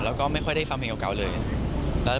เพราะว่ามีศิลปินดังมาร่วมร้องเพลงรักกับหนูโตหลายคนเลยค่ะ